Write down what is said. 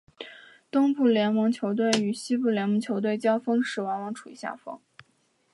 东部联盟球队与西部联盟球队交锋时往往处于下风。